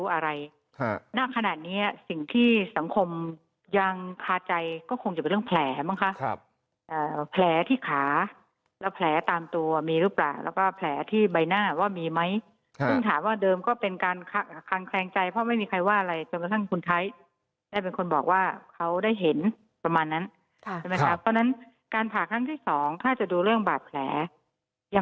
อะไรณขนาดนี้สิ่งที่สังคมยังคาใจก็คงจะเป็นเรื่องแผลมั้งคะครับแผลที่ขาและแผลตามตัวมีหรือเปล่าแล้วก็แผลที่ใบหน้าว่ามีไหมซึ่งถามว่าเดิมก็เป็นการคางแคลงใจเพราะไม่มีใครว่าอะไรจนกระทั่งคุณไทยได้เป็นคนบอกว่าเขาได้เห็นประมาณนั้นใช่ไหมครับเพราะฉะนั้นการผ่าครั้งที่สองถ้าจะดูเรื่องบาดแผลยัง